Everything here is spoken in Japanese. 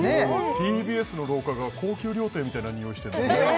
ＴＢＳの廊下が高級料亭みたいな匂いしてんのね